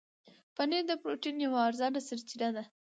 پنېر د پروټين یوه ارزانه سرچینه ده.